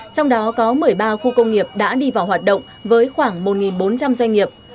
trong đó có một mươi ba khu công nghiệp đã đi vào hoạt động với khoảng một bốn trăm linh doanh nghiệp